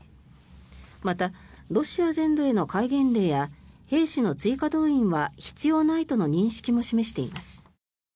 また、ロシア全土への戒厳令や兵士の追加動員は必要ないとの認識も示しています。